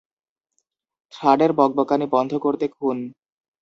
থ্রাডের বকবকানি বন্ধ করতে, খুন!